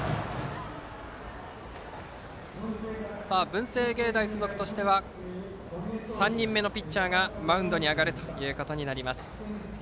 文星芸大付属としては３人目のピッチャーがマウンドに上がるということになります。